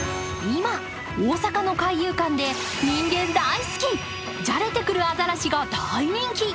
今、大阪の海遊館で人間大好き、じゃれてくるアザラシが大人気。